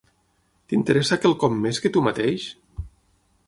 T'interessa quelcom més que tu mateix?